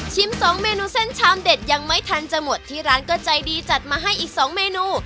สองเมนูเส้นชามเด็ดยังไม่ทันจะหมดที่ร้านก็ใจดีจัดมาให้อีก๒เมนู